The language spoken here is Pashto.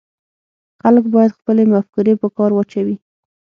خلک باید خپلې مفکورې په کار واچوي